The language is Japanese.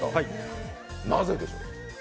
なぜでしょう？